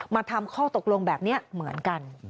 มาทำข้อตกลงแบบนี้เหมือนกัน